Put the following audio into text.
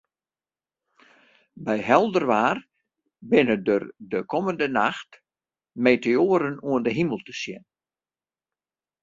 By helder waar binne der de kommende nacht meteoaren oan 'e himel te sjen.